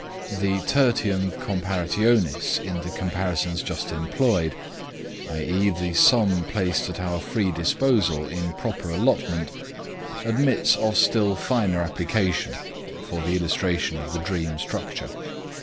The "tertium comparationis" in the comparisons just employed i.e. the sum placed at our free disposal in proper allotment admits of still finer application for the illustration of the dream structure.